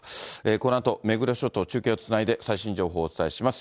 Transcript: このあと、目黒署と中継をつないで、最新情報をお伝えします。